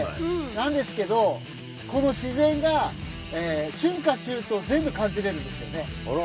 なんですけどこの自然が春夏秋冬全部感じれるんですよね。